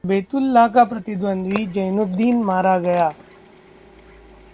बैतुल्लाह का प्रतिद्वंदी जैनुद्दीन मारा गया